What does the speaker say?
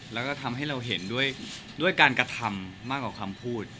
แล้วก็ทำให้เราเห็นด้วยการกระทำมากกว่าคำพูด